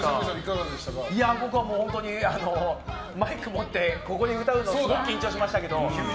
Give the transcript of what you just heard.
僕は、マイクを持ってここで歌うのすごく緊張しましたけど。